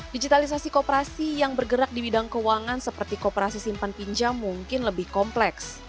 digitalisasi kooperasi yang bergerak di bidang keuangan seperti kooperasi simpan pinjam mungkin lebih kompleks